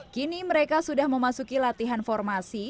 kini mereka sudah memasuki latihan formasi